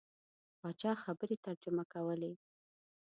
پاچا خبرې ترجمه کولې.